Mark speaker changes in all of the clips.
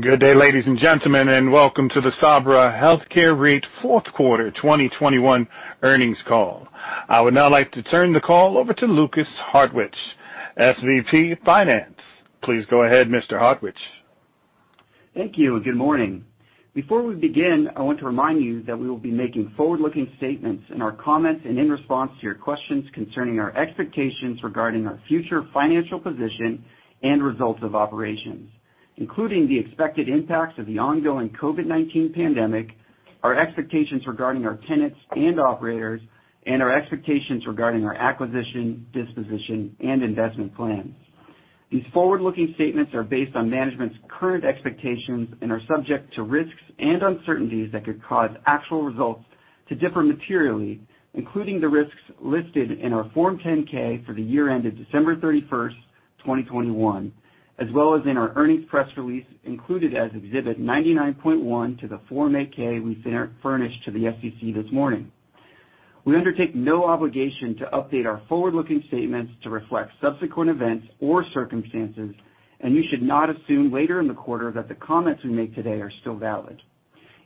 Speaker 1: Good day, ladies and gentlemen, and welcome to the Sabra Health Care REIT Fourth Quarter 2021 Earnings Call. I would now like to turn the call over to Lukas Hartwich, SVP of Finance. Please go ahead, Mr. Hartwich.
Speaker 2: Thank you, and good morning. Before we begin, I want to remind you that we will be making forward-looking statements in our comments and in response to your questions concerning our expectations regarding our future financial position and results of operations, including the expected impacts of the ongoing COVID-19 pandemic, our expectations regarding our tenants and operators, and our expectations regarding our acquisition, disposition, and investment plans. These forward-looking statements are based on management's current expectations and are subject to risks and uncertainties that could cause actual results to differ materially, including the risks listed in our Form 10-K for the year ended December 31st, 2021, as well as in our earnings press release included as Exhibit 99.1 to the Form 8-K we furnished to the SEC this morning. We undertake no obligation to update our forward-looking statements to reflect subsequent events or circumstances, and you should not assume later in the quarter that the comments we make today are still valid.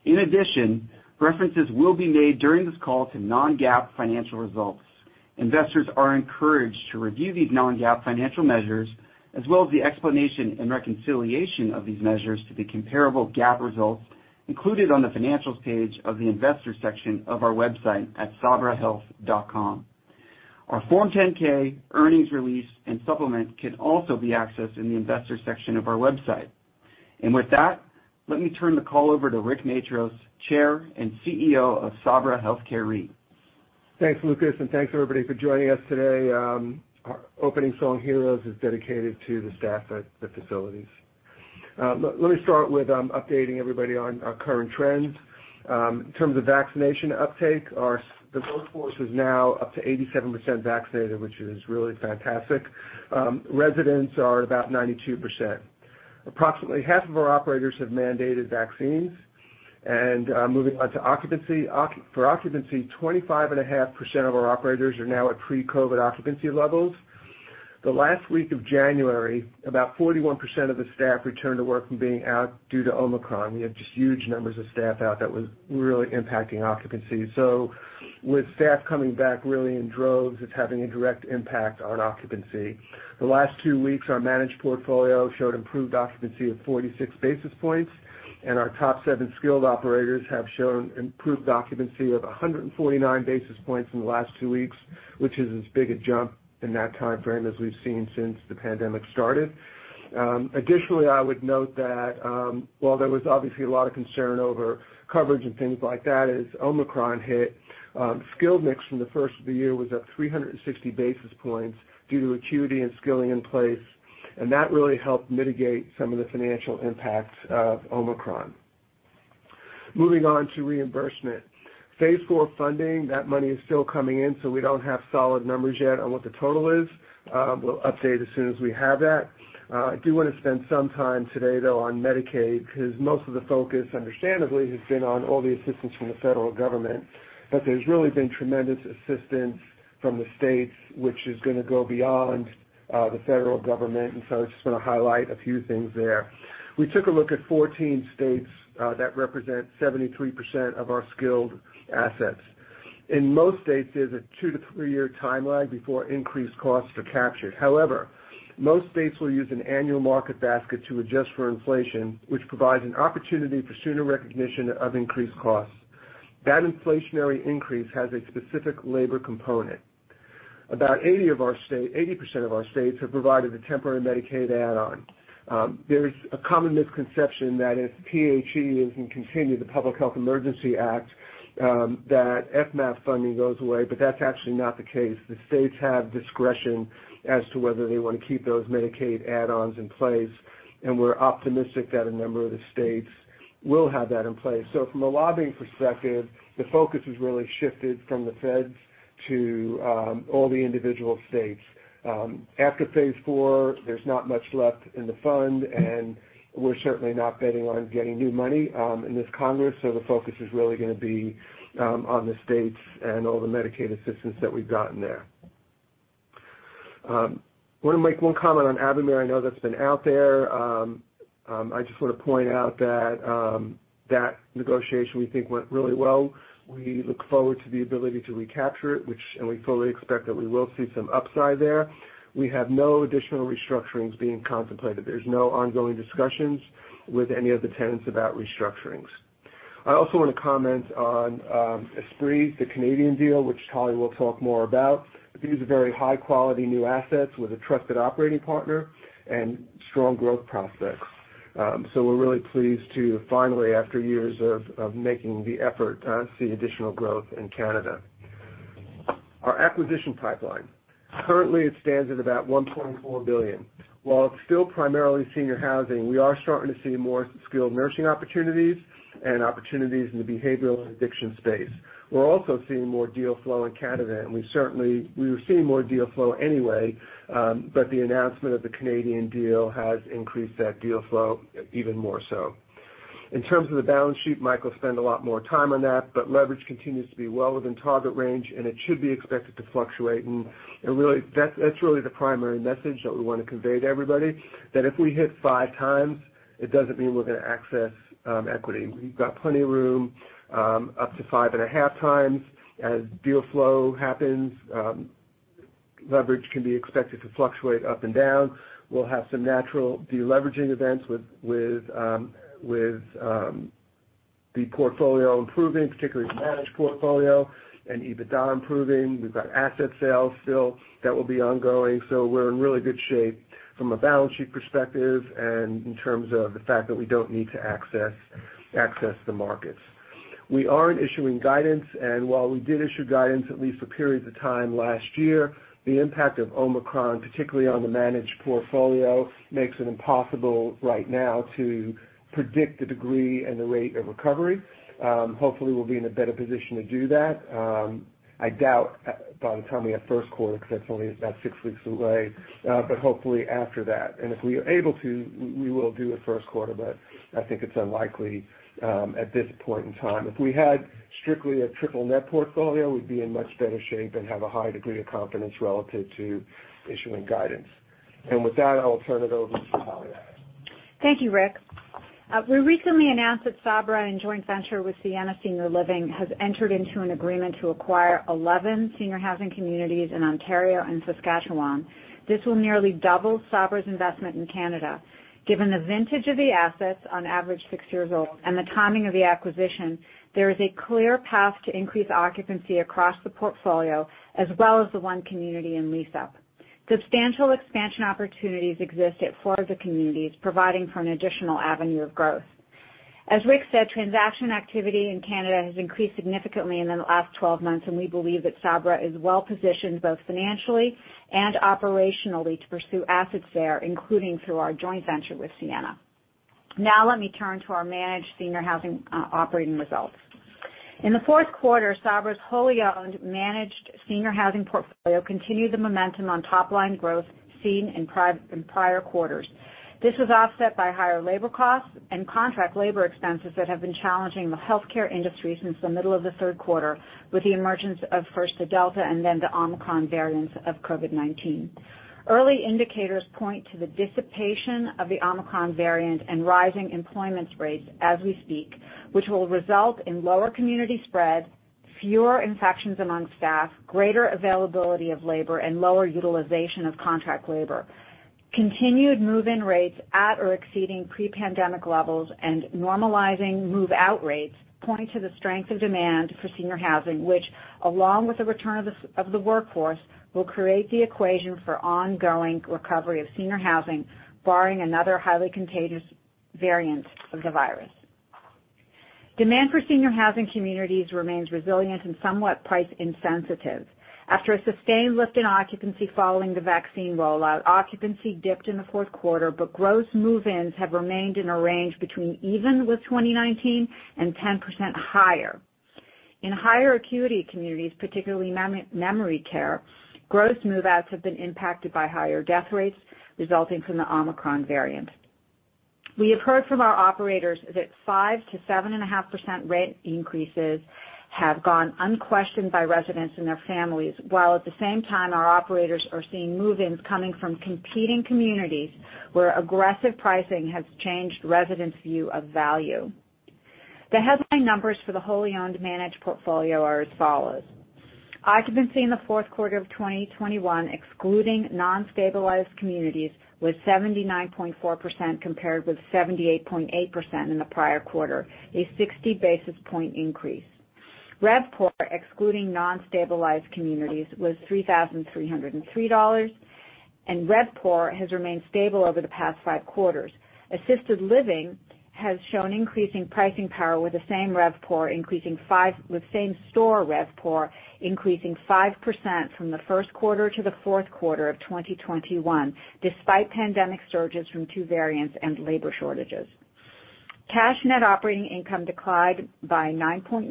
Speaker 2: In addition, references will be made during this call to non-GAAP financial results. Investors are encouraged to review these non-GAAP financial measures, as well as the explanation and reconciliation of these measures to the comparable GAAP results included on the Financials page of the Investors section of our website at sabrahealth.com. Our Form 10-K, earnings release, and supplement can also be accessed in the Investors section of our website. With that, let me turn the call over to Rick Matros, Chair and CEO of Sabra Health Care REIT.
Speaker 3: Thanks, Lukas, and thanks everybody for joining us today. Our opening song, Heroes, is dedicated to the staff at the facilities. Let me start with updating everybody on our current trends. In terms of vaccination uptake, our workforce is now up to 87% vaccinated, which is really fantastic. Residents are at about 92%. Approximately half of our operators have mandated vaccines. Moving on to occupancy. For occupancy, 25.5% of our operators are now at pre-COVID occupancy levels. The last week of January, about 41% of the staff returned to work from being out due to Omicron. We had just huge numbers of staff out that was really impacting occupancy. With staff coming back really in droves, it's having a direct impact on occupancy. The last two weeks, our managed portfolio showed improved occupancy of 46 basis points, and our top seven skilled operators have shown improved occupancy of 149 basis points in the last two weeks, which is as big a jump in that timeframe as we've seen since the pandemic started. Additionally, I would note that, while there was obviously a lot of concern over coverage and things like that as Omicron hit, skilled mix from the first of the year was up 360 basis points due to acuity and skilling in place, and that really helped mitigate some of the financial impacts of Omicron. Moving on to reimbursement. Phase IV funding, that money is still coming in, so we don't have solid numbers yet on what the total is. We'll update as soon as we have that. I do wanna spend some time today, though, on Medicaid because most of the focus, understandably, has been on all the assistance from the federal government. There's really been tremendous assistance from the states, which is gonna go beyond, the federal government. I just wanna highlight a few things there. We took a look at 14 states, that represent 73% of our skilled assets. In most states, there's a two to three-year timeline before increased costs are captured. However, most states will use an annual market basket to adjust for inflation, which provides an opportunity for sooner recognition of increased costs. That inflationary increase has a specific labor component. About 80% of our states have provided a temporary Medicaid add-on. There's a common misconception that if the PHE continues, the Public Health Emergency, that FMAP funding goes away, but that's actually not the case. The states have discretion as to whether they wanna keep those Medicaid add-ons in place, and we're optimistic that a number of the states will have that in place. From a lobbying perspective, the focus has really shifted from the feds to all the individual states. After phase IV, there's not much left in the fund, and we're certainly not betting on getting new money in this Congress, so the focus is really gonna be on the states and all the Medicaid assistance that we've gotten there. Wanna make one comment on Avamere. I know that's been out there. I just wanna point out that that negotiation, we think, went really well. We look forward to the ability to recapture it, which we fully expect that we will see some upside there. We have no additional restructurings being contemplated. There's no ongoing discussions with any of the tenants about restructurings. I also wanna comment on Esprit, the Canadian deal, which Holly will talk more about. These are very high-quality new assets with a trusted operating partner and strong growth prospects. We're really pleased to finally, after years of making the effort, see additional growth in Canada. Our acquisition pipeline currently stands at about $1.4 billion. While it's still primarily Senior Housing, we are starting to see more skilled nursing opportunities and opportunities in the behavioral and addiction space. We're also seeing more deal flow in Canada, and we were seeing more deal flow anyway, but the announcement of the Canadian deal has increased that deal flow even more so. In terms of the balance sheet, Mike will spend a lot more time on that, but leverage continues to be well within target range, and it should be expected to fluctuate. Really that's the primary message that we wanna convey to everybody, that if we hit 5x, it doesn't mean we're gonna access equity. We've got plenty of room up to 5.5x. As deal flow happens, leverage can be expected to fluctuate up and down. We'll have some natural de-leveraging events with the portfolio improving, particularly the managed portfolio, and EBITDA improving. We've got asset sales still that will be ongoing. We're in really good shape from a balance sheet perspective and in terms of the fact that we don't need to access the markets. We aren't issuing guidance, and while we did issue guidance at least for periods of time last year, the impact of Omicron, particularly on the managed portfolio, makes it impossible right now to predict the degree and the rate of recovery. Hopefully, we'll be in a better position to do that. I doubt by the time we have first quarter 'cause that's only about six weeks away, but hopefully after that. If we are able to, we will do a first quarter, but I think it's unlikely at this point in time. If we had strictly a Triple-net portfolio, we'd be in much better shape and have a high degree of confidence relative to issuing guidance. With that, I'll turn it over to Talya.
Speaker 4: Thank you, Rick. We recently announced that Sabra, in joint venture with Sienna Senior Living, has entered into an agreement to acquire 11 Senior Housing communities in Ontario and Saskatchewan. This will nearly double Sabra's investment in Canada. Given the vintage of the assets, on average six years old, and the timing of the acquisition, there is a clear path to increase occupancy across the portfolio as well as the one community in lease-up. Substantial expansion opportunities exist at four of the communities, providing for an additional avenue of growth. As Rick said, transaction activity in Canada has increased significantly in the last 12 months, and we believe that Sabra is well-positioned both financially and operationally to pursue assets there, including through our joint venture with Sienna. Now let me turn to our Managed Senior Housing operating results. In the fourth quarter, Sabra's wholly owned Managed Senior Housing portfolio continued the momentum on top line growth seen in prior quarters. This was offset by higher labor costs and contract labor expenses that have been challenging the healthcare industry since the middle of the third quarter with the emergence of first the Delta and then the Omicron variants of COVID-19. Early indicators point to the dissipation of the Omicron variant and rising employment rates as we speak, which will result in lower community spread, fewer infections among staff, greater availability of labor, and lower utilization of contract labor. Continued move-in rates at or exceeding pre-pandemic levels and normalizing move-out rates point to the strength of demand for Senior Housing, which along with the return of the workforce, will create the equation for ongoing recovery of Senior Housing, barring another highly contagious variant of the virus. Demand for Senior Housing communities remains resilient and somewhat price insensitive. After a sustained lift in occupancy following the vaccine rollout, occupancy dipped in the fourth quarter, but gross move-ins have remained in a range between even with 2019 and 10% higher. In higher acuity communities, particularly Memory Care, gross move-outs have been impacted by higher death rates resulting from the Omicron variant. We have heard from our operators that 5%-7.5% rate increases have gone unquestioned by residents and their families, while at the same time, our operators are seeing move-ins coming from competing communities where aggressive pricing has changed residents' view of value. The headline numbers for the wholly owned managed portfolio are as follows. Occupancy in the fourth quarter of 2021, excluding non-stabilized communities, was 79.4% compared with 78.8% in the prior quarter, a 60 basis point increase. RevPOR, excluding non-stabilized communities, was $3,303, and RevPOR has remained stable over the past five quarters. Assisted Living has shown increasing pricing power with same store RevPOR increasing 5% from the first quarter to the fourth quarter of 2021 despite pandemic surges from two variants and labor shortages. Cash net operating income declined by 9.9%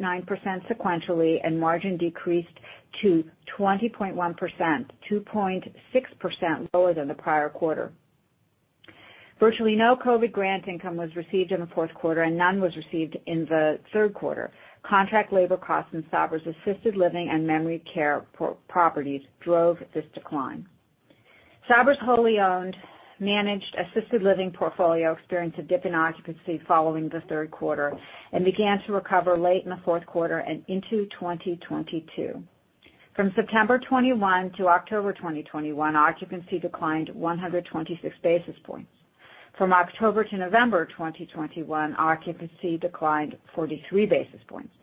Speaker 4: sequentially, and margin decreased to 20.1%, 2.6% lower than the prior quarter. Virtually no COVID grant income was received in the fourth quarter, and none was received in the third quarter. Contract labor costs in Sabra's Assisted Living and Memory Care properties drove this decline. Sabra's wholly owned managed assisted living portfolio experienced a dip in occupancy following the third quarter and began to recover late in the fourth quarter and into 2022. From September 2021 to October 2021, occupancy declined 126 basis points. From October to November 2021, occupancy declined 43 basis points.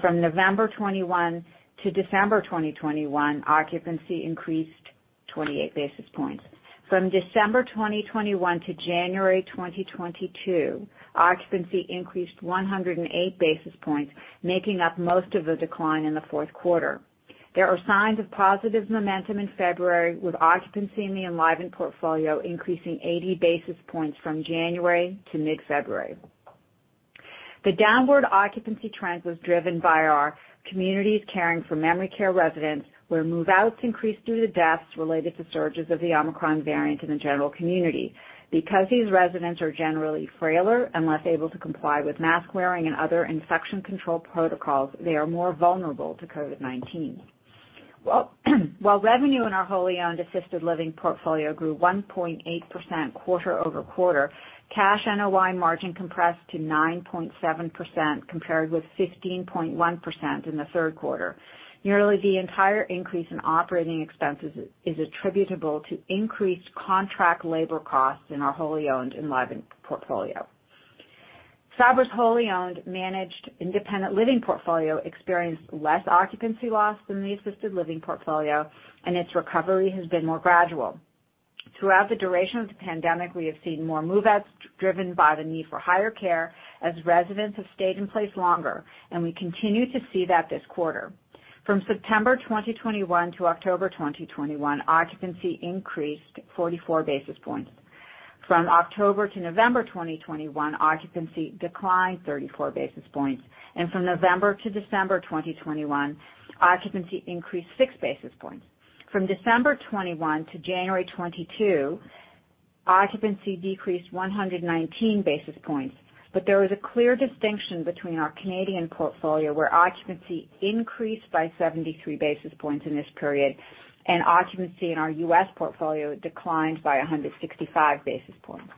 Speaker 4: From November 2021 to December 2021, occupancy increased 28 basis points. From December 2021 to January 2022, occupancy increased 108 basis points, making up most of the decline in the fourth quarter. There are signs of positive momentum in February with occupancy in the Enlivant portfolio increasing 80 basis points from January to mid-February. The downward occupancy trend was driven by our communities caring for Memory Care residents, where move-outs increased due to deaths related to surges of the Omicron variant in the general community. Because these residents are generally frailer and less able to comply with mask-wearing and other infection control protocols, they are more vulnerable to COVID-19. Well while revenue in our wholly-owned assisted living portfolio grew 1.8% quarter-over-quarter, cash NOI margin compressed to 9.7%, compared with 15.1% in the third quarter. Nearly the entire increase in operating expenses is attributable to increased contract labor costs in our wholly owned Enlivant portfolio. Sabra's wholly owned managed independent living portfolio experienced less occupancy loss than the assisted living portfolio, and its recovery has been more gradual. Throughout the duration of the pandemic, we have seen more move-outs driven by the need for higher care as residents have stayed in place longer, and we continue to see that this quarter. From September 2021 to October 2021, occupancy increased 44 basis points. From October to November 2021, occupancy declined 34 basis points. From November to December 2021, occupancy increased 6 basis points. From December 2021 to January 2022, occupancy decreased 119 basis points. There was a clear distinction between our Canadian portfolio, where occupancy increased by 73 basis points in this period, and occupancy in our U.S. portfolio declined by 165 basis points.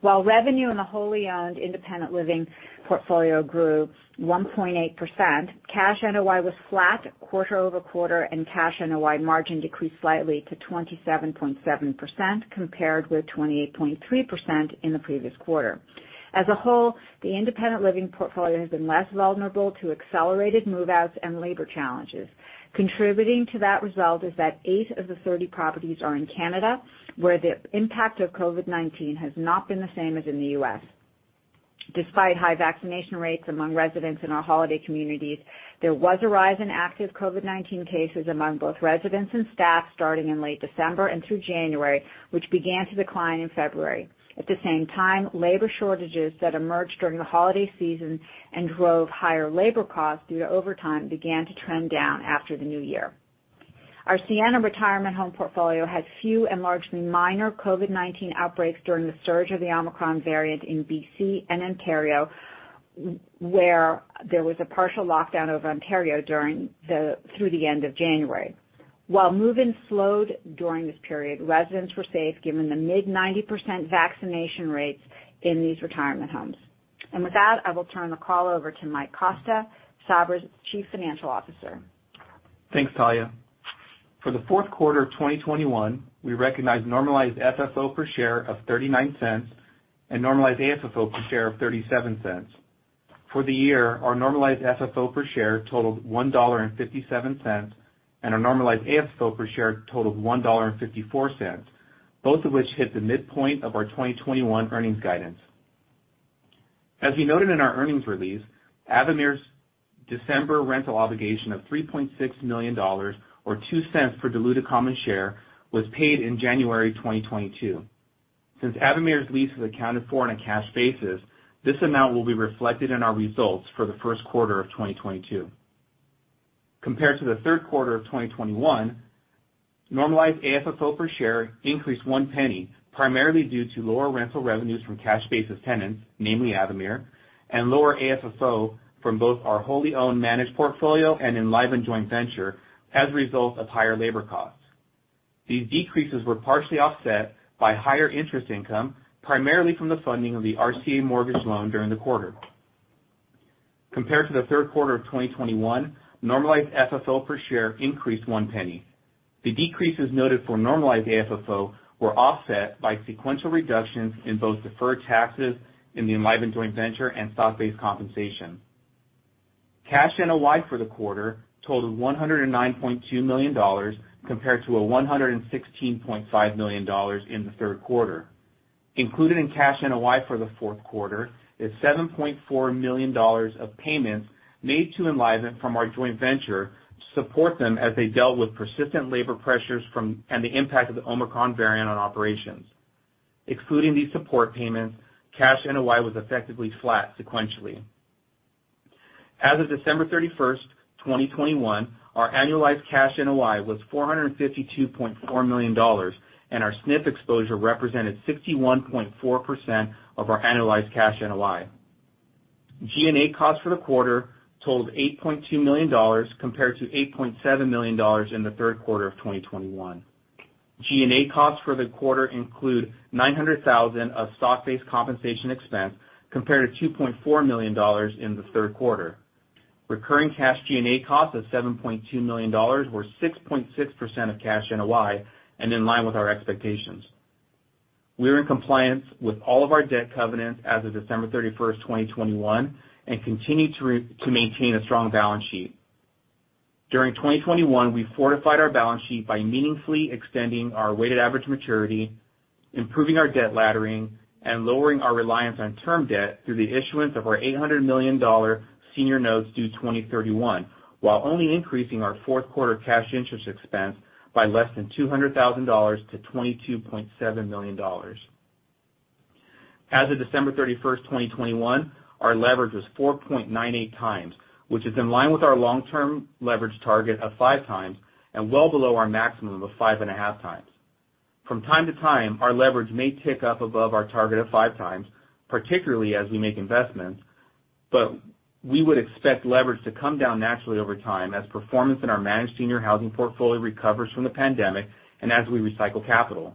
Speaker 4: While revenue in the wholly-owned independent living portfolio grew 1.8%, cash NOI was flat quarter-over-quarter, and cash NOI margin decreased slightly to 27.7% compared with 28.3% in the previous quarter. As a whole, the independent living portfolio has been less vulnerable to accelerated move-outs and labor challenges. Contributing to that result is that eight of the 30 properties are in Canada, where the impact of COVID-19 has not been the same as in the U.S. Despite high vaccination rates among residents in our holiday communities, there was a rise in active COVID-19 cases among both residents and staff starting in late December and through January, which began to decline in February. At the same time, labor shortages that emerged during the holiday season and drove higher labor costs due to overtime began to trend down after the new year. Our Sienna retirement home portfolio had few and largely minor COVID-19 outbreaks during the surge of the Omicron variant in BC And Ontario, where there was a partial lockdown over Ontario through the end of January. While move-ins slowed during this period, residents were safe given the mid-90% vaccination rates in these retirement homes. With that, I will turn the call over to Mike Costa, Sabra's Chief Financial Officer.
Speaker 5: Thanks, Talya. For the fourth quarter of 2021, we recognized normalized FFO per share of $0.39 and normalized AFFO per share of $0.37. For the year, our normalized FFO per share totaled $1.57, and our normalized AFFO per share totaled $1.54, both of which hit the midpoint of our 2021 earnings guidance. As we noted in our earnings release, Avamere's December rental obligation of $3.6 million or $0.02 for diluted common share was paid in January 2022. Since Avamere's lease was accounted for on a cash basis, this amount will be reflected in our results for the first quarter of 2022. Compared to the third quarter of 2021, normalized AFFO per share increased $0.01, primarily due to lower rental revenues from cash-basis tenants, namely Avamere, and lower AFFO from both our wholly owned managed portfolio and Enlivant joint venture as a result of higher labor costs. These decreases were partially offset by higher interest income, primarily from the funding of the RCA mortgage loan during the quarter. Compared to the third quarter of 2021, normalized FFO per share increased $0.01. The decreases noted for normalized AFFO were offset by sequential reductions in both deferred taxes in the Enlivant joint venture and stock-based compensation. Cash NOI for the quarter totaled $109.2 million, compared to $116.5 million in the third quarter. Included in cash NOI for the fourth quarter is $7.4 million of payments made to Enlivant from our joint venture to support them as they dealt with persistent labor pressures and the impact of the Omicron variant on operations. Excluding these support payments, cash NOI was effectively flat sequentially. As of December 31st, 2021, our annualized cash NOI was $452.4 million, and our SNF exposure represented 61.4% of our annualized cash NOI. G&A costs for the quarter totaled $8.2 million, compared to $8.7 million in the third quarter of 2021. G&A costs for the quarter include $900,000 of stock-based compensation expense, compared to $2.4 million in the third quarter. Recurring cash G&A costs of $7.2 million were 6.6% of cash NOI and in line with our expectations. We're in compliance with all of our debt covenants as of December 31st, 2021, and continue to maintain a strong balance sheet. During 2021, we fortified our balance sheet by meaningfully extending our weighted average maturity, improving our debt laddering, and lowering our reliance on term debt through the issuance of our $800 million senior notes due 2031, while only increasing our fourth quarter cash interest expense by less than $200,000 to $22.7 million. As of December 31st, 2021, our leverage was 4.98x, which is in line with our long-term leverage target of 5x and well below our maximum of 5.5x. From time to time, our leverage may tick up above our target of 5x, particularly as we make investments, but we would expect leverage to come down naturally over time as performance in our Managed Senior Housing portfolio recovers from the pandemic and as we recycle capital.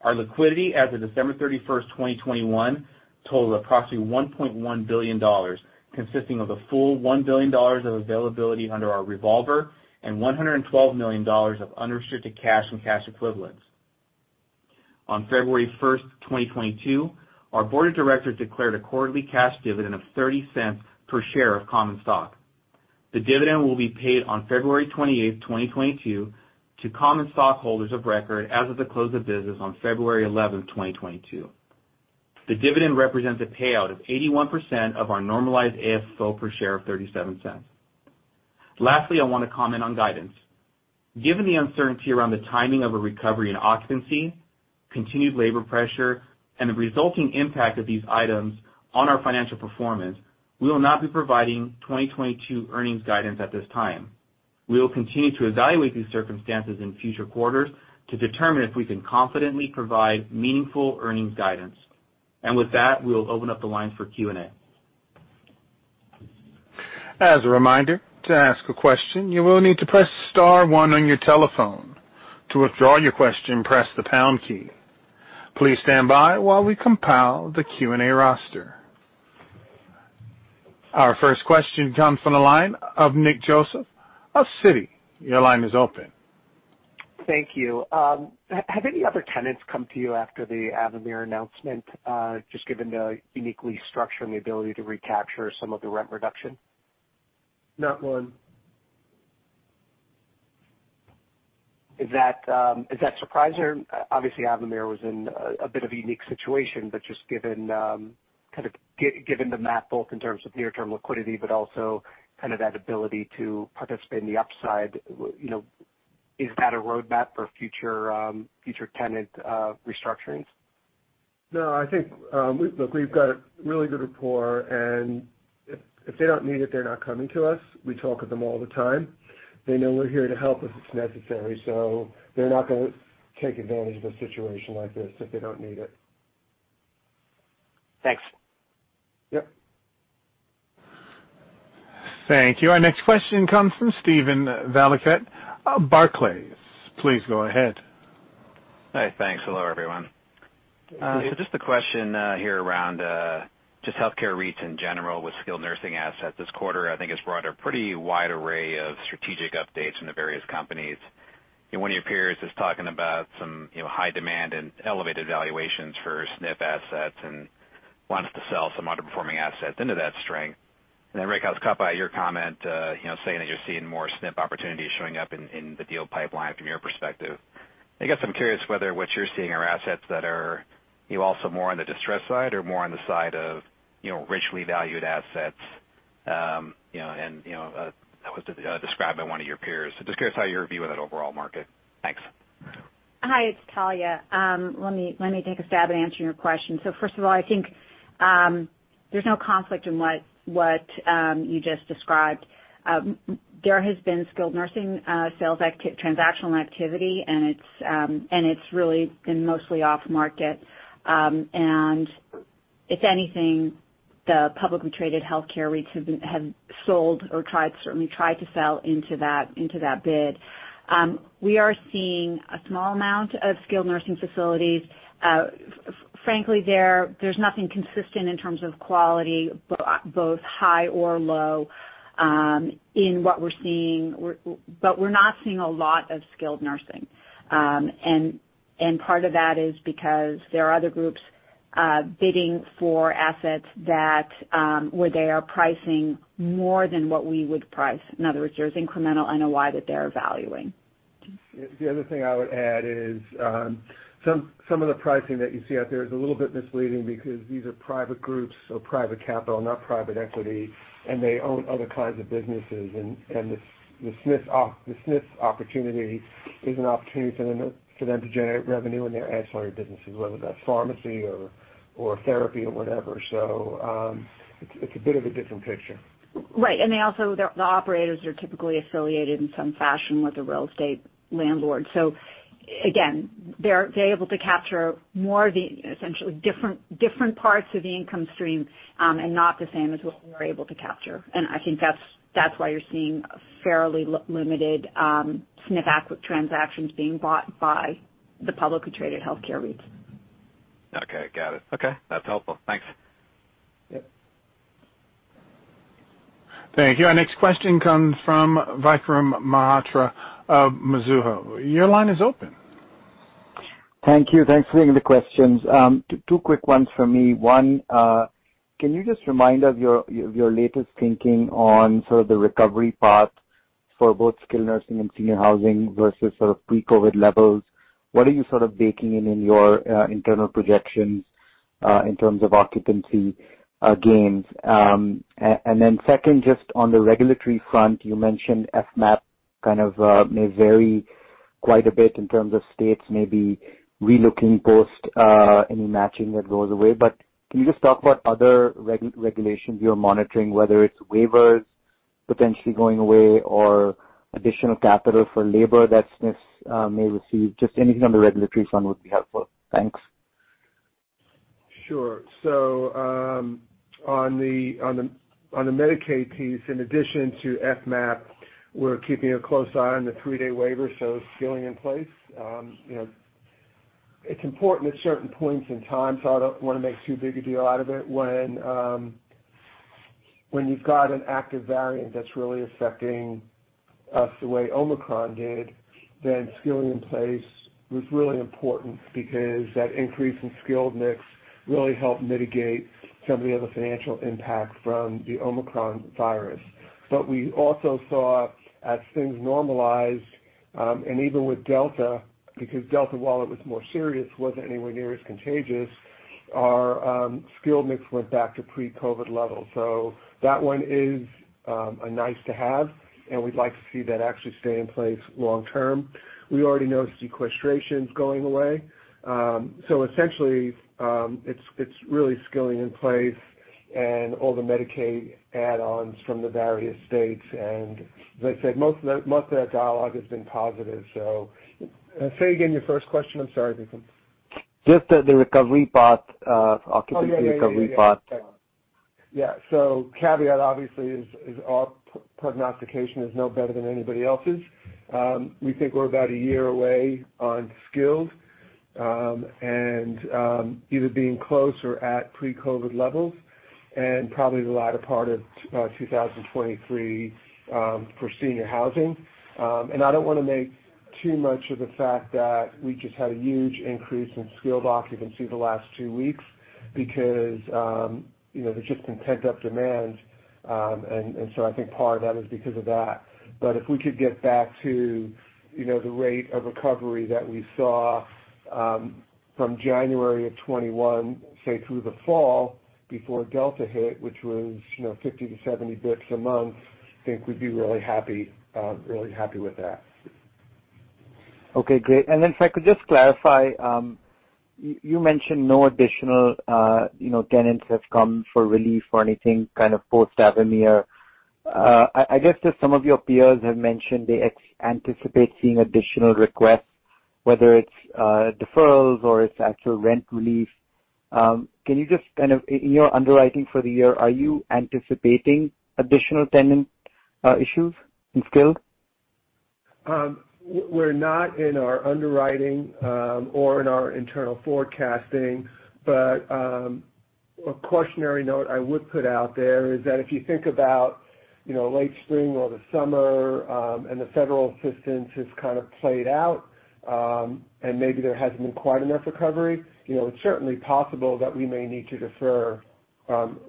Speaker 5: Our liquidity as of December 31st, 2021 totaled approximately $1.1 billion, consisting of a full $1 billion of availability under our revolver and $112 million of unrestricted cash and cash equivalents. On February 1st, 2022, our Board of Directors declared a quarterly cash dividend of $0.30 per share of common stock. The dividend will be paid on February 28th, 2022 to common stockholders of record as of the close of business on February 11th, 2022. The dividend represents a payout of 81% of our normalized AFFO per share of $0.37. Lastly, I want to comment on guidance. Given the uncertainty around the timing of a recovery in occupancy, continued labor pressure, and the resulting impact of these items on our financial performance, we will not be providing 2022 earnings guidance at this time. We will continue to evaluate these circumstances in future quarters to determine if we can confidently provide meaningful earnings guidance. With that, we will open up the line for Q&A.
Speaker 1: Our first question comes from the line of Nick Joseph of Citi. Your line is open.
Speaker 6: Thank you. Have any other tenants come to you after the Avamere announcement, just given the unique structure and the ability to recapture some of the rent reduction?
Speaker 3: Not one.
Speaker 6: Is that surprising? Obviously, Avamere was in a bit of a unique situation, but just given kind of the math both in terms of near-term liquidity, but also kind of that ability to participate in the upside, you know, is that a roadmap for future tenant restructurings?
Speaker 3: No, I think, Look, we've got a really good rapport, and if they don't need it, they're not coming to us. We talk with them all the time. They know we're here to help if it's necessary, so they're not gonna take advantage of a situation like this if they don't need it.
Speaker 6: Thanks.
Speaker 3: Yep.
Speaker 1: Thank you. Our next question comes from Steven Valiquette, Barclays. Please go ahead.
Speaker 7: Hey, thanks. Hello, everyone.
Speaker 3: Hey, Steve.
Speaker 7: Just a question here around just healthcare REITs in general with skilled nursing assets. This quarter, I think, has brought a pretty wide array of strategic updates in the various companies. One of your peers is talking about some, you know, high demand and elevated valuations for SNF assets and wants to sell some underperforming assets into that strength. Rick, I was caught by your comment, you know, saying that you're seeing more SNF opportunities showing up in the deal pipeline from your perspective. I guess I'm curious whether what you're seeing are assets that are, you know, also more on the distressed side or more on the side of, you know, richly valued assets, you know, and that was described by one of your peers. Just curious how you view that overall market. Thanks.
Speaker 4: Hi, it's Talya. Let me take a stab at answering your question. First of all, I think there's no conflict in what you just described. There has been skilled nursing transactional activity, and it's really been mostly off-market. If anything, the publicly traded healthcare REITs have sold or certainly tried to sell into that bid. We are seeing a small amount of skilled nursing facilities. Frankly, there's nothing consistent in terms of quality both high or low in what we're seeing. We're not seeing a lot of skilled nursing. Part of that is because there are other groups bidding for assets where they are pricing more than what we would price. In other words, there's incremental NOI that they're valuing.
Speaker 3: The other thing I would add is, some of the pricing that you see out there is a little bit misleading because these are private groups or private capital, not private equity, and they own other kinds of businesses. The SNF opportunity is an opportunity for them to generate revenue in their ancillary businesses, whether that's pharmacy or therapy or whatever. It's a bit of a different picture.
Speaker 4: Right. They also, the operators are typically affiliated in some fashion with the real estate landlord. Again, they're able to capture more of the essentially different parts of the income stream and not the same as what we're able to capture. I think that's why you're seeing a fairly limited SNF acquisition transactions being bought by the publicly traded healthcare REITs.
Speaker 7: Okay, got it. Okay, that's helpful. Thanks.
Speaker 3: Yep.
Speaker 1: Thank you. Our next question comes from Vikram Malhotra of Mizuho. Your line is open.
Speaker 8: Thank you. Thanks for taking the questions. Two quick ones from me. One, can you just remind us your latest thinking on sort of the recovery path for both skilled nursing and senior housing versus sort of pre-COVID levels? What are you sort of baking in your internal projections, in terms of occupancy gains? And then second, just on the regulatory front, you mentioned FMAP kind of may vary quite a bit in terms of states maybe relooking post any matching that goes away. Can you just talk about other regulations you're monitoring, whether it's waivers potentially going away or additional capital for labor that SNF may receive? Just anything on the regulatory front would be helpful. Thanks.
Speaker 3: Sure. On the Medicaid piece, in addition to FMAP, we're keeping a close eye on the three-day waiver, skilling in place. You know, it's important at certain points in time, so I don't wanna make too big a deal out of it when you've got an active variant that's really affecting us the way Omicron did, then skilling in place was really important because that increase in skilled mix really helped mitigate some of the other financial impact from the Omicron virus. We also saw as things normalized, and even with Delta, because Delta, while it was more serious, wasn't anywhere near as contagious, our skilled mix went back to pre-COVID levels. That one is a nice to have, and we'd like to see that actually stay in place long term. We already know sequestration's going away. Essentially, it's really skilling in place and all the Medicaid add-ons from the various states, and as I said, most of that dialogue has been positive. Say again your first question. I'm sorry, Vikram.
Speaker 8: Just the recovery path, occupancy recovery path.
Speaker 3: Yeah, so caveat obviously is our prognostication is no better than anybody else's. We think we're about a year away on skilled, and either being close or at pre-COVID levels, and probably the latter part of 2023, for Senior Housing. I don't wanna make too much of the fact that we just had a huge increase in skilled occupancy the last two weeks because, you know, there's just been pent-up demand, and so I think part of that is because of that. If we could get back to, you know, the rate of recovery that we saw, from January of 2021, say, through the fall before Delta hit, which was, you know, 50-70 bips a month, I think we'd be really happy with that.
Speaker 8: Okay, great. If I could just clarify, you mentioned no additional, you know, tenants have come for relief or anything kind of post-Avamere. I guess just some of your peers have mentioned they anticipate seeing additional requests, whether it's deferrals or it's actual rent relief. Can you just kind of in your underwriting for the year, are you anticipating additional tenant issues in skilled?
Speaker 3: We're not in our underwriting or in our internal forecasting. A cautionary note I would put out there is that if you think about, you know, late spring or the summer, and the federal assistance has kind of played out, and maybe there hasn't been quite enough recovery, you know, it's certainly possible that we may need to defer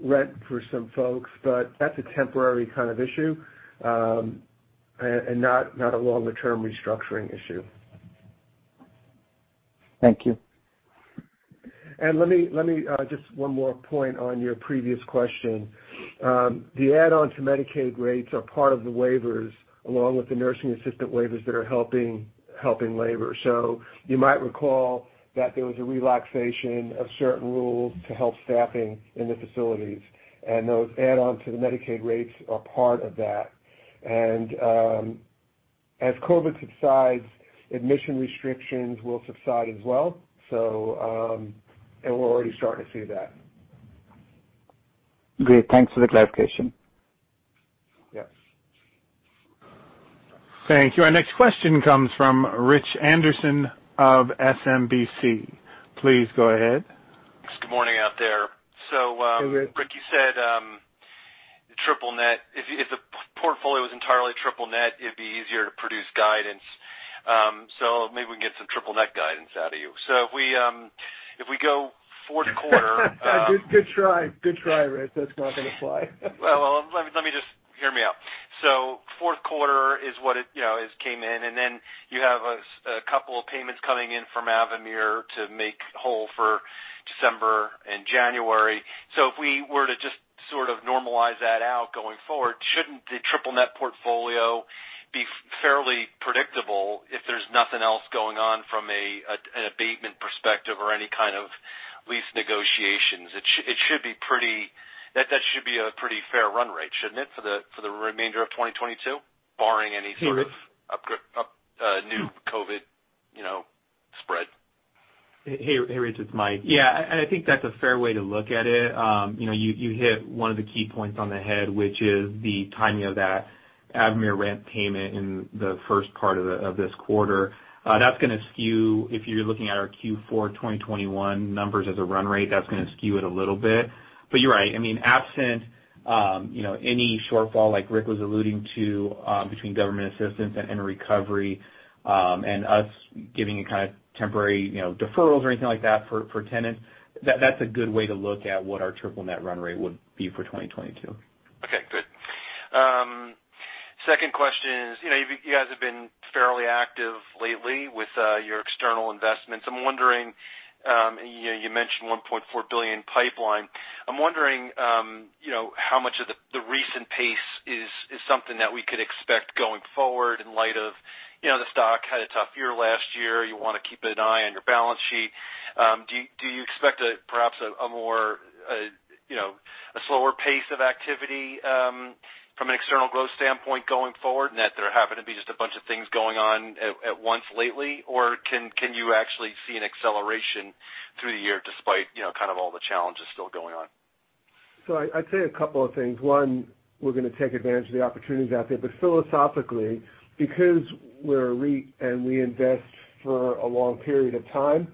Speaker 3: rent for some folks. That's a temporary kind of issue, and not a longer term restructuring issue.
Speaker 8: Thank you.
Speaker 3: Let me just one more point on your previous question. The add-on to Medicaid rates are part of the waivers along with the nursing assistant waivers that are helping labor. You might recall that there was a relaxation of certain rules to help staffing in the facilities, and those add-on to the Medicaid rates are part of that. As COVID subsides, admission restrictions will subside as well, and we're already starting to see that.
Speaker 8: Great. Thanks for the clarification.
Speaker 3: Yep.
Speaker 1: Thank you. Our next question comes from Rich Anderson of SMBC. Please go ahead.
Speaker 9: Good morning out there.
Speaker 3: Hey, Rich.
Speaker 9: Rick, you said triple net. If the portfolio was entirely Triple-net, it'd be easier to produce guidance. Maybe we can get some Triple-net guidance out of you. If we go fourth quarter,
Speaker 3: Good, good try. Good try, Rich. That's not gonna fly.
Speaker 9: Well, let me just hear me out. Fourth quarter is what it is, you know, came in, and then you have a couple of payments coming in from Avamere to make whole for December and January. If we were to just sort of normalize that out going forward, shouldn't the Triple-net portfolio be fairly predictable if there's nothing else going on from an abatement perspective or any kind of lease negotiations? It should be pretty. That should be a pretty fair run rate, shouldn't it, for the remainder of 2022, barring any sort of-
Speaker 3: Hey, Rich
Speaker 9: New COVID, you know, spread?
Speaker 5: Hey, Rich, it's Mike. Yeah, I think that's a fair way to look at it. You know, you hit one of the key points on the head, which is the timing of that Avamere rent payment in the first part of this quarter. That's gonna skew, if you're looking at our Q4 2021 numbers as a run rate, that's gonna skew it a little bit. You're right. I mean, absent you know, any shortfall like Rick was alluding to, between government assistance and recovery, and us giving a kind of temporary, you know, deferrals or anything like that for tenants, that's a good way to look at what our Triple-net run rate would be for 2022.
Speaker 9: Second question is, you know, you guys have been fairly active lately with your external investments. I'm wondering, you know, you mentioned $1.4 billion pipeline. I'm wondering, you know, how much of the recent pace is something that we could expect going forward in light of, you know, the stock had a tough year last year, you wanna keep an eye on your balance sheet. Do you expect perhaps a more, you know, a slower pace of activity from an external growth standpoint going forward and that there happened to be just a bunch of things going on at once lately? Or can you actually see an acceleration through the year despite, you know, kind of all the challenges still going on?
Speaker 3: I'd say a couple of things. One, we're gonna take advantage of the opportunities out there. Philosophically, because we're a REIT and we invest for a long period of time,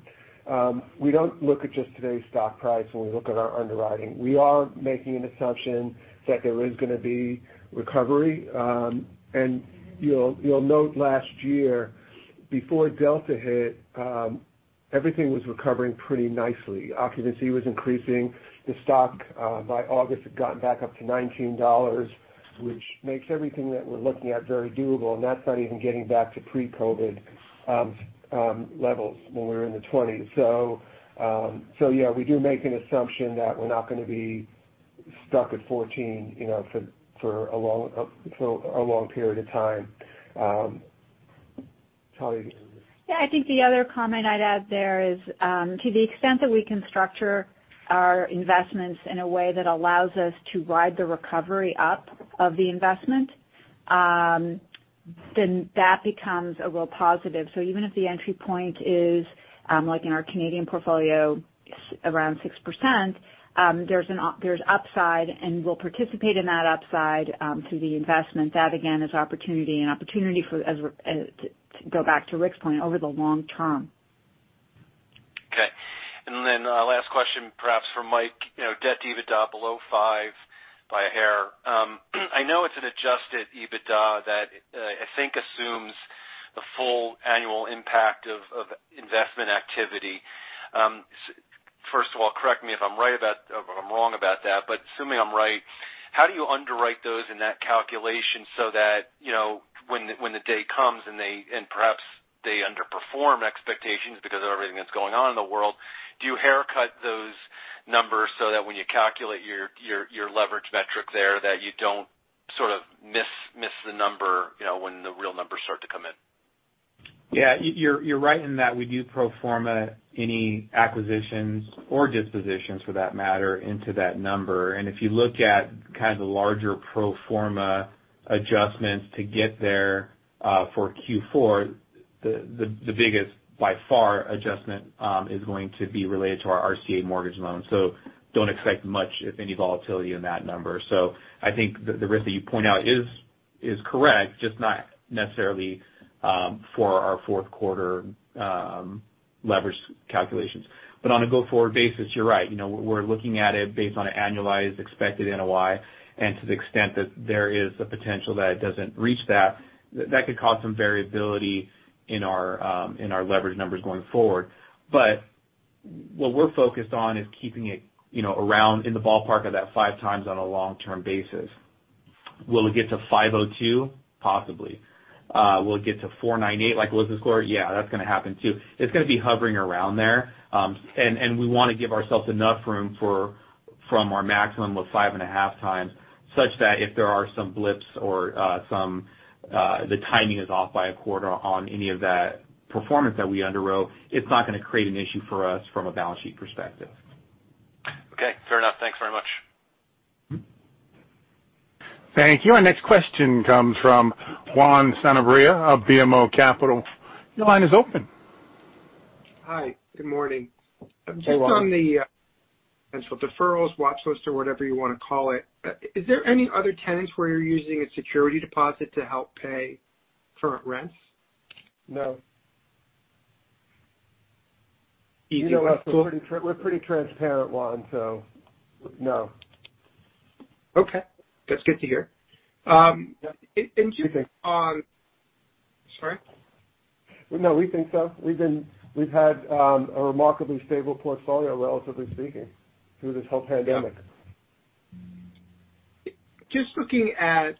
Speaker 3: we don't look at just today's stock price when we look at our underwriting. We are making an assumption that there is gonna be recovery. You'll note last year, before Delta hit, everything was recovering pretty nicely. Occupancy was increasing. The stock, by August, had gotten back up to $19, which makes everything that we're looking at very doable, and that's not even getting back to pre-COVID levels when we were in the $20s. We do make an assumption that we're not gonna be stuck at $14, you know, for a long period of time. Talya?
Speaker 4: Yeah, I think the other comment I'd add there is, to the extent that we can structure our investments in a way that allows us to ride the recovery up of the investment, then that becomes a real positive. Even if the entry point is, like in our Canadian portfolio, around 6%, there's upside, and we'll participate in that upside, through the investment. That again is opportunity for us as we're to go back to Rick's point over the long term.
Speaker 9: Okay. Last question, perhaps for Mike. You know, debt to EBITDA below five by a hair. I know it's an adjusted EBITDA that, I think assumes the full annual impact of investment activity. First of all, correct me if I'm right about or if I'm wrong about that, but assuming I'm right, how do you underwrite those in that calculation so that, you know, when the day comes and perhaps they underperform expectations because of everything that's going on in the world, do you haircut those numbers so that when you calculate your leverage metric there, that you don't sort of miss the number, you know, when the real numbers start to come in?
Speaker 5: Yeah. You're right in that we do pro forma any acquisitions or dispositions for that matter into that number. If you look at kind of the larger pro forma adjustments to get there, for Q4, the biggest by far adjustment is going to be related to our RCA mortgage loan. Don't expect much, if any, volatility in that number. I think the risk that you point out is correct, just not necessarily for our fourth quarter leverage calculations. On a go-forward basis, you're right. You know, we're looking at it based on an annualized expected NOI. To the extent that there is a potential that it doesn't reach that could cause some variability in our leverage numbers going forward. What we're focused on is keeping it, you know, around in the ballpark of that 5x on a long-term basis. Will it get to 502? Possibly. Will it get to 498 like it was before? Yeah, that's gonna happen too. It's gonna be hovering around there. And we wanna give ourselves enough room for from our maximum of 5.5x, such that if there are some blips or some the timing is off by a quarter on any of that performance that we underwrote, it's not gonna create an issue for us from a balance sheet perspective.
Speaker 9: Okay, fair enough. Thanks very much.
Speaker 3: Thank you.
Speaker 1: Thank you. Our next question comes from Juan Sanabria of BMO Capital. Your line is open.
Speaker 10: Hi. Good morning.
Speaker 11: Hey, Juan.
Speaker 10: Just on the potential deferrals, watch list or whatever you wanna call it, is there any other tenants where you're using a security deposit to help pay current rents?
Speaker 3: No.
Speaker 10: You think so?
Speaker 3: You know us. We're pretty transparent, Juan, so no.
Speaker 10: Okay. That's good to hear.
Speaker 3: Yeah. We think so.
Speaker 10: Sorry?
Speaker 3: No, we think so. We've had a remarkably stable portfolio, relatively speaking, through this whole pandemic.
Speaker 10: Yeah. Just looking at.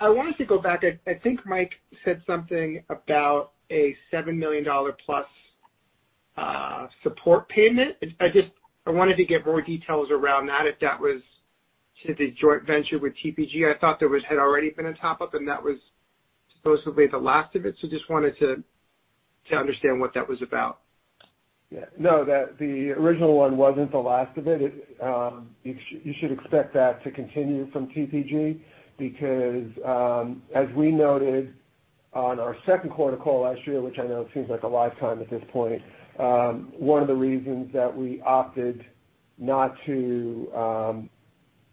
Speaker 10: I wanted to go back. I think Mike said something about a $7 million plus support payment. I just wanted to get more details around that if that was to the joint venture with TPG. I thought there had already been a top-up, and that was supposedly the last of it. Just wanted to understand what that was about.
Speaker 3: Yeah. No, that the original one wasn't the last of it. You should expect that to continue from TPG because, as we noted on our second quarter call last year, which I know it seems like a lifetime at this point, one of the reasons that we opted not to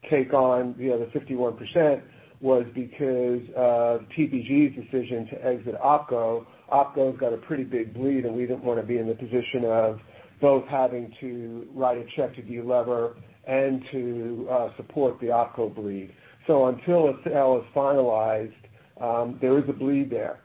Speaker 3: take on, you know, the 51% was because of TPG's decision to exit OpCo. OpCo's got a pretty big bleed, and we didn't wanna be in the position of both having to write a check to delever and to support the OpCo bleed. Until a sale is finalized, there is a bleed there.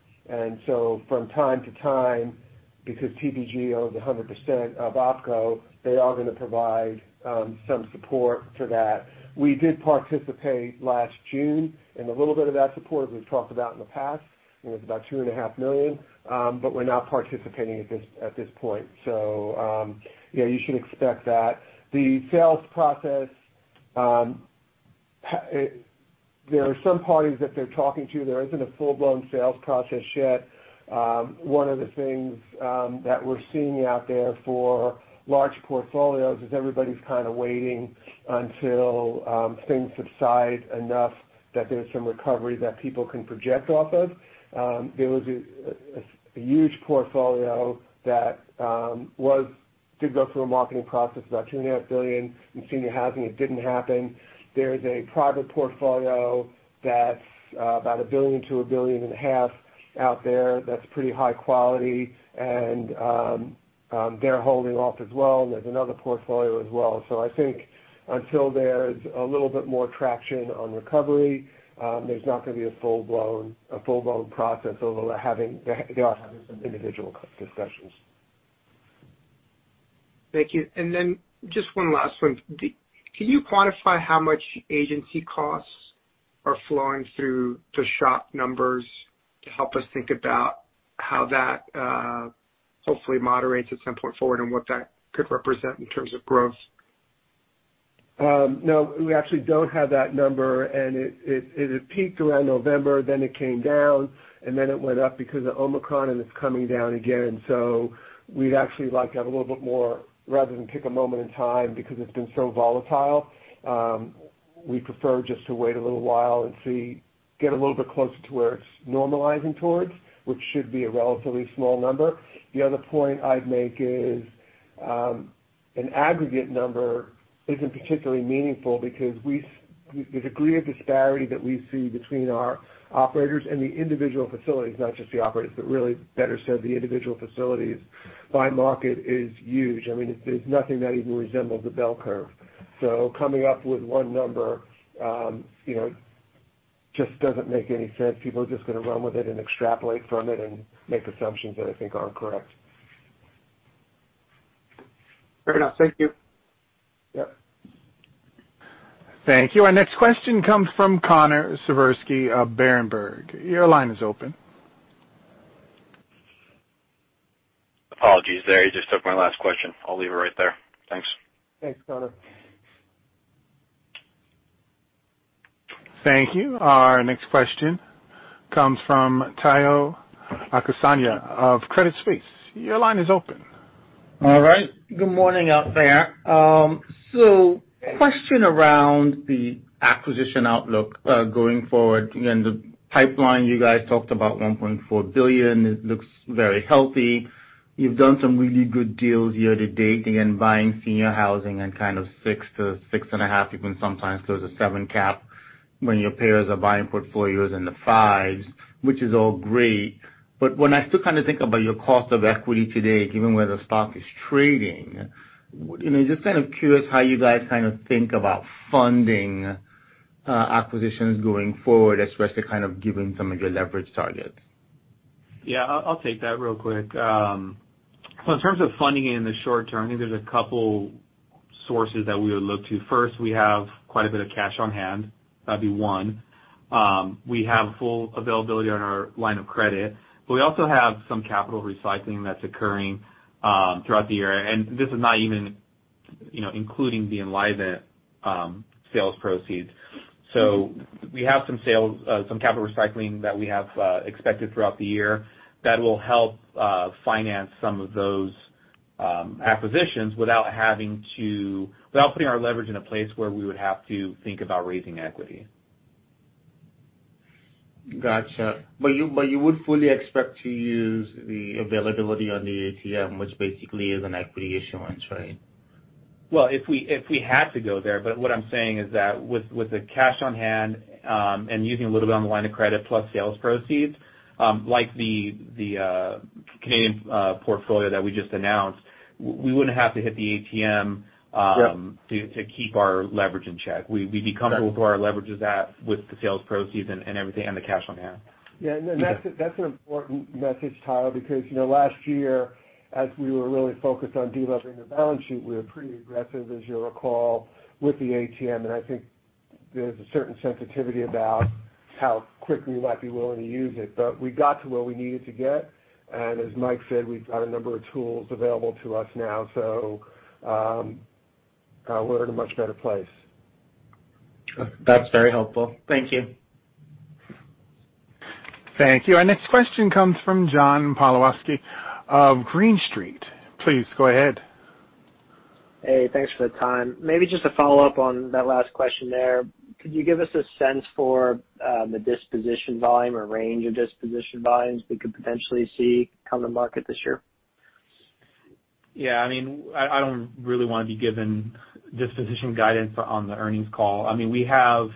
Speaker 3: From time to time, because TPG owns 100% of OpCo, they are gonna provide some support to that. We did participate last June in a little bit of that support, as we've talked about in the past, and it was about $2.5 million. But we're not participating at this point. Yeah, you should expect that. The sales process. There are some parties that they're talking to. There isn't a full-blown sales process yet. One of the things that we're seeing out there for large portfolios is everybody's kind of waiting until things subside enough that there's some recovery that people can project off of. There was a huge portfolio that did go through a marketing process, about $2.5 billion in Senior Housing. It didn't happen. There's a private portfolio that's about $1 billion-$1.5 billion out there that's pretty high quality and they're holding off as well. There's another portfolio as well. I think until there's a little bit more traction on recovery, there's not gonna be a full-blown process, although they are having some individual discussions.
Speaker 10: Thank you. Just one last one. Can you quantify how much agency costs are flowing through the SHOP numbers to help us think about how that, hopefully moderates at some point forward and what that could represent in terms of growth?
Speaker 3: No, we actually don't have that number, and it peaked around November, then it came down, and then it went up because of Omicron, and it's coming down again. We'd actually like to have a little bit more rather than pick a moment in time because it's been so volatile. We prefer just to wait a little while and see, get a little bit closer to where it's normalizing towards, which should be a relatively small number. The other point I'd make is, an aggregate number isn't particularly meaningful because the degree of disparity that we see between our operators and the individual facilities, not just the operators, but really better said, the individual facilities by market is huge. I mean, there's nothing that even resembles a bell curve. Coming up with one number, you know, just doesn't make any sense. People are just gonna run with it and extrapolate from it and make assumptions that I think aren't correct.
Speaker 10: Fair enough. Thank you.
Speaker 3: Yep.
Speaker 1: Thank you. Our next question comes from Connor Siversky of Berenberg. Your line is open.
Speaker 12: Apologies there. You just took my last question. I'll leave it right there. Thanks.
Speaker 3: Thanks, Connor.
Speaker 1: Thank you. Our next question comes from Omotayo Okusanya of Credit Suisse. Your line is open.
Speaker 13: All right. Good morning out there. So question around the acquisition outlook going forward. Again, the pipeline, you guys talked about $1.4 billion. It looks very healthy. You've done some really good deals year to date, again, buying Senior Housing and kind of 6%-6.5%, even sometimes there's a 7% cap when your peers are buying portfolios in the 5%s, which is all great. When I still kind of think about your cost of equity today, given where the stock is trading, you know, just kind of curious how you guys kind of think about funding acquisitions going forward, especially kind of given some of your leverage targets.
Speaker 5: Yeah, I'll take that real quick. So in terms of funding in the short term, I think there's a couple sources that we would look to. First, we have quite a bit of cash on hand. That'd be one. We have full availability on our line of credit, but we also have some capital recycling that's occurring throughout the year. This is not even, you know, including the Enlivant sales proceeds. We have some sales, some capital recycling that we have expected throughout the year that will help finance some of those acquisitions without putting our leverage in a place where we would have to think about raising equity.
Speaker 13: Gotcha. You would fully expect to use the availability on the ATM, which basically is an equity issuance, right?
Speaker 5: Well, if we had to go there, but what I'm saying is that with the cash on hand, and using a little bit on the line of credit plus sales proceeds, like the Canadian portfolio that we just announced, we wouldn't have to hit the ATM to keep our leverage in check.
Speaker 13: Yep. Got it.
Speaker 5: We'd be comfortable where our leverage is at with the sales proceeds and everything and the cash on hand.
Speaker 3: Yeah. That's an important message, Tayo, because, you know, last year, as we were really focused on de-levering the balance sheet, we were pretty aggressive, as you'll recall, with the ATM. I think there's a certain sensitivity about how quick we might be willing to use it. We got to where we needed to get. As Mike said, we've got a number of tools available to us now, so, we're in a much better place.
Speaker 13: That's very helpful. Thank you.
Speaker 1: Thank you. Our next question comes from John Pawlowski of Green Street. Please go ahead.
Speaker 11: Hey, thanks for the time. Maybe just a follow-up on that last question there. Could you give us a sense for the disposition volume or range of disposition volumes we could potentially see come to market this year?
Speaker 5: Yeah. I mean, I don't really wanna be giving disposition guidance on the earnings call. I mean, we have.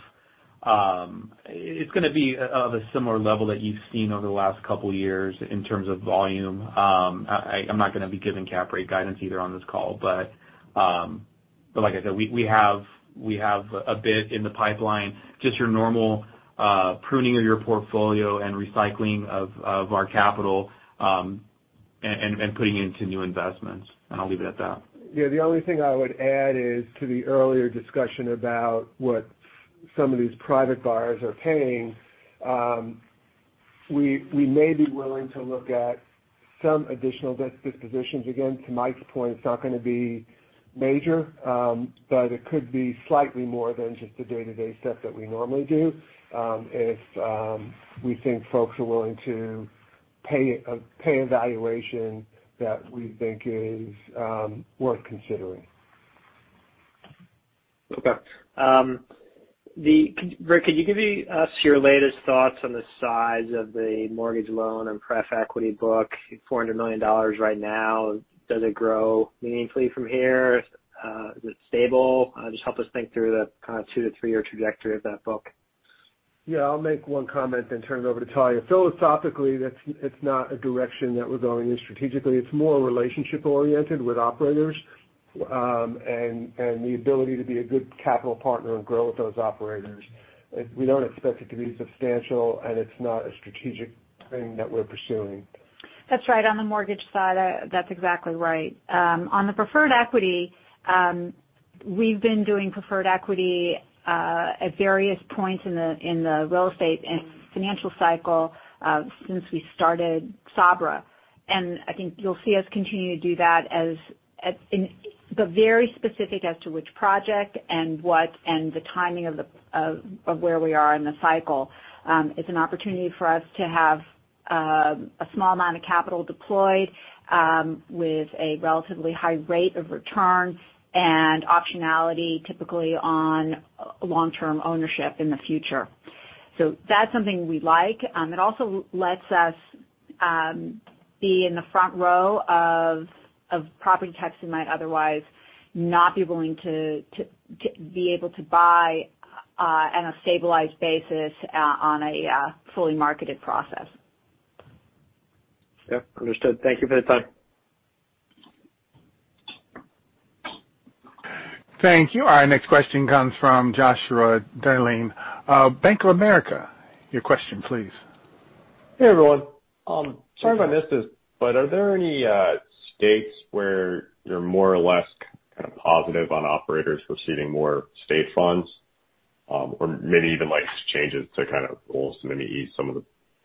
Speaker 5: It's gonna be of a similar level that you've seen over the last couple years in terms of volume. I'm not gonna be giving cap rate guidance either on this call, but like I said, we have a bit in the pipeline, just your normal pruning of your portfolio and recycling of our capital, and putting it into new investments. I'll leave it at that.
Speaker 3: Yeah. The only thing I would add is to the earlier discussion about what some of these private borrowers are paying. We may be willing to look at some additional debt dispositions. Again, to Mike's point, it's not gonna be major, but it could be slightly more than just the day-to-day stuff that we normally do, if we think folks are willing to pay a valuation that we think is worth considering.
Speaker 11: Okay. Rick, could you give us your latest thoughts on the size of the mortgage loan and pref equity book, $400 million right now. Does it grow meaningfully from here? Is it stable? Just help us think through the kind of two- to three-year trajectory of that book.
Speaker 3: Yeah, I'll make one comment, then turn it over to Talya. Philosophically, it's not a direction that we're going in strategically. It's more relationship-oriented with operators, and the ability to be a good capital partner and grow with those operators. We don't expect it to be substantial, and it's not a strategic thing that we're pursuing.
Speaker 4: That's right. On the mortgage side, that's exactly right. On the preferred equity, we've been doing preferred equity at various points in the real estate and financial cycle since we started Sabra. I think you'll see us continue to do that, but very specific as to which project and what and the timing of where we are in the cycle. It's an opportunity for us to have a small amount of capital deployed with a relatively high rate of return and optionality typically on long-term ownership in the future. That's something we like. It also lets us be in the front row of property types we might otherwise not be willing to be able to buy on a stabilized basis on a fully marketed process.
Speaker 11: Yep, understood. Thank you for the time.
Speaker 1: Thank you. Our next question comes from Joshua Dennerlein of Bank of America. Your question please.
Speaker 14: Hey, everyone. Sorry if I missed this, but are there any states where you're more or less kind of positive on operators receiving more state funds, or maybe even like changes to kind of also maybe ease some of the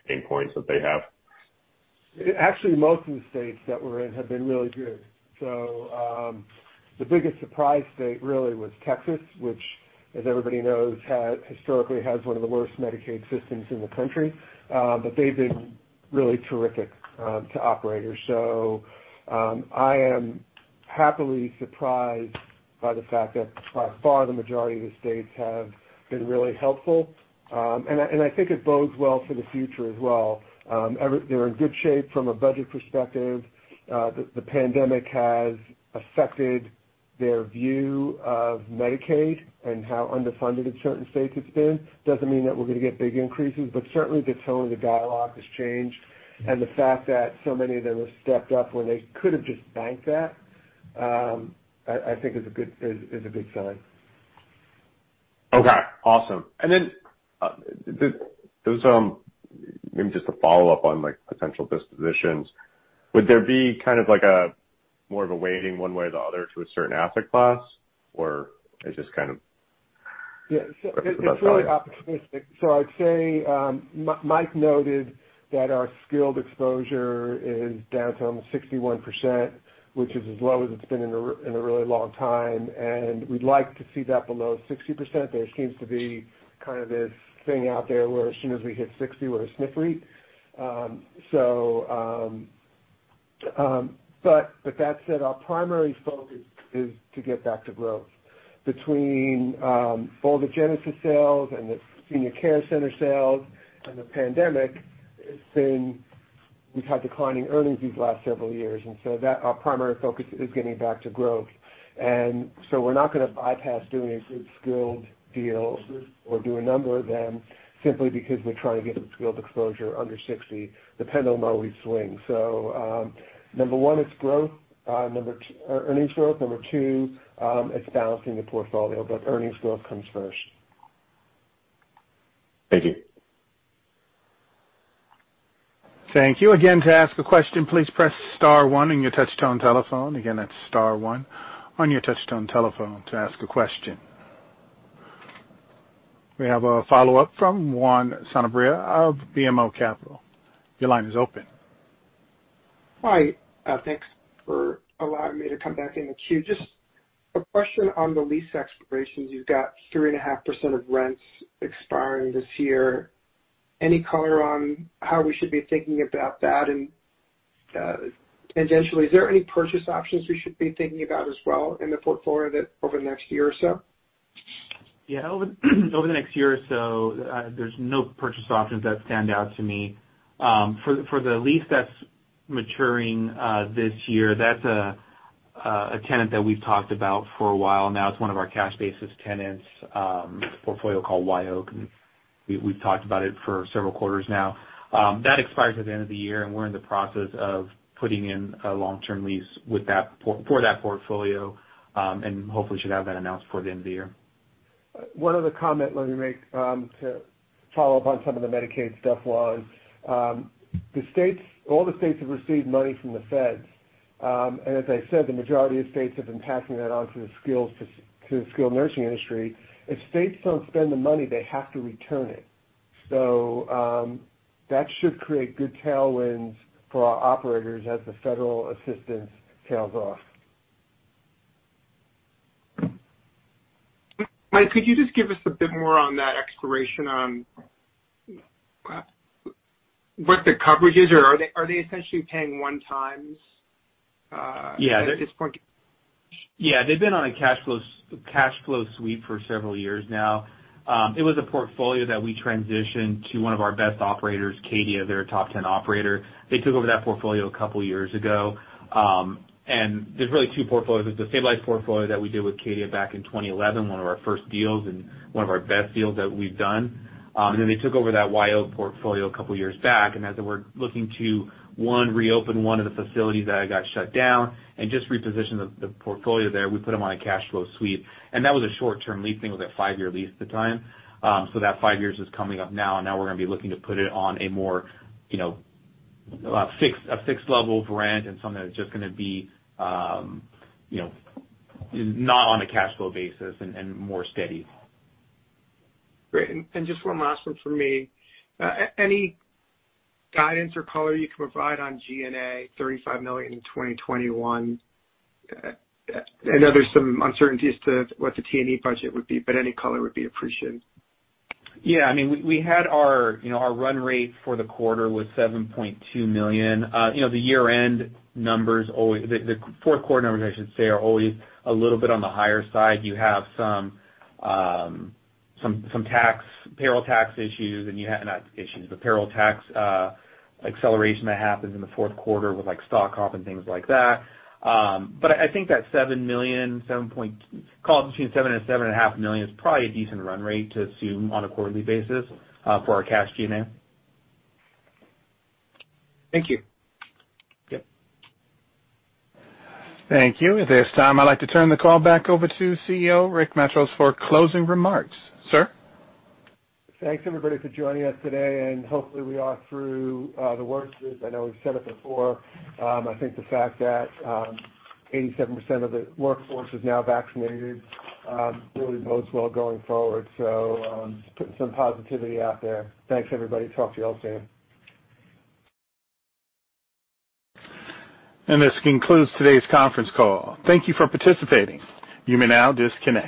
Speaker 14: pain points that they have?
Speaker 3: Actually, most of the states that we're in have been really good. The biggest surprise state really was Texas, which as everybody knows, has historically had one of the worst Medicaid systems in the country. They've been really terrific to operators. I am happily surprised by the fact that by far the majority of the states have been really helpful. I think it bodes well for the future as well. They're in good shape from a budget perspective. The pandemic has affected their view of Medicaid and how underfunded it's been in certain states. Doesn't mean that we're gonna get big increases, but certainly the tone of the dialogue has changed. The fact that so many of them have stepped up when they could have just banked that, I think is a good sign.
Speaker 14: Okay. Awesome. Maybe just a follow-up on, like, potential dispositions. Would there be kind of like a more of a weighting one way or the other to a certain asset class, or it's just kind of.
Speaker 3: I'd say, Mike noted that our skilled exposure is down to almost 61%, which is as low as it's been in a, in a really long time, and we'd like to see that below 60%. There seems to be kind of this thing out there where as soon as we hit 60, we're SNF. With that said, our primary focus is to get back to growth. Between both the Genesis sales and the Senior Care Centers sales and the pandemic, we've had declining earnings these last several years. Our primary focus is getting back to growth. We're not gonna bypass doing a good skilled deal or do a number of them simply because we're trying to get the skilled exposure under 60. The pendulum always swings. Number one, it's growth or earnings growth. Number two, it's balancing the portfolio, but earnings growth comes first.
Speaker 14: Thank you.
Speaker 1: We have a follow-up from Juan Sanabria of BMO Capital Markets. Your line is open.
Speaker 10: Hi. Thanks for allowing me to come back in the queue. Just a question on the lease expirations. You've got 3.5% of rents expiring this year. Any color on how we should be thinking about that? Tangentially, is there any purchase options we should be thinking about as well in the portfolio that over the next year or so?
Speaker 5: Yeah. Over the next year or so, there's no purchase options that stand out to me. For the lease that's maturing this year, that's a tenant that we've talked about for a while now. It's one of our cash-basis tenants, portfolio called Wye Oak. We've talked about it for several quarters now. That expires at the end of the year, and we're in the process of putting in a long-term lease with that for that portfolio, and hopefully should have that announced before the end of the year.
Speaker 3: One other comment, let me make, to follow up on some of the Medicaid stuff. The states, all the states have received money from the feds. As I said, the majority of states have been passing that on to the skilled nursing industry. If states don't spend the money, they have to return it. That should create good tailwinds for our operators as the federal assistance tails off.
Speaker 10: Mike, could you just give us a bit more on that expiration on what the coverage is? Are they essentially paying one times at this point?
Speaker 5: Yeah. They've been on a cash flow sweep for several years now. It was a portfolio that we transitioned to one of our best operators, Cadia. They're a top 10 operator. They took over that portfolio a couple years ago. There's really two portfolios. There's the stabilized portfolio that we did with Cadia back in 2011, one of our first deals and one of our best deals that we've done. Then they took over that Wye Oak portfolio a couple years back, and as they were looking to, one, reopen one of the facilities that got shut down and just reposition the portfolio there. We put them on a cash flow sweep, and that was a short-term lease. I think it was a five-year lease at the time. That five years is coming up now, and now we're gonna be looking to put it on a more, you know, a fixed level of rent and something that's just gonna be, you know, not on a cash flow basis and more steady.
Speaker 10: Great. Just one last one for me. Any guidance or color you can provide on G&A, $35 million in 2021? I know there's some uncertainties to what the T&E budget would be, but any color would be appreciated.
Speaker 5: Yeah. I mean, we had our run rate for the quarter was $7.2 million. You know, the year-end numbers always, the fourth quarter numbers, I should say, are always a little bit on the higher side. You have some tax, payroll tax issues, and you have not issues, but payroll tax acceleration that happens in the fourth quarter with, like, stock op and things like that. But I think that $7 million, call it between $7 million-$7.5 million is probably a decent run rate to assume on a quarterly basis for our cash G&A.
Speaker 10: Thank you.
Speaker 5: Yep.
Speaker 1: Thank you. At this time, I'd like to turn the call back over to CEO Rick Matros for closing remarks. Sir.
Speaker 3: Thanks everybody for joining us today, and hopefully, we are through the worst of it. I know we've said it before. I think the fact that 87% of the workforce is now vaccinated really bodes well going forward. Just putting some positivity out there. Thanks, everybody. Talk to you all soon.
Speaker 1: This concludes today's conference call. Thank you for participating. You may now disconnect.